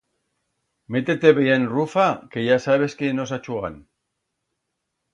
Mete-te bien rufa, que ya sabes qué nos achugam.